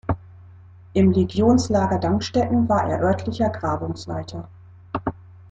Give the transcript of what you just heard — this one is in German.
Im Legionslager Dangstetten war er örtlicher Grabungsleiter.